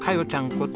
こと